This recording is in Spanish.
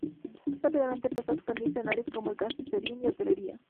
Rápidamente, empezó a expandirse en áreas como el cáterin y hotelería.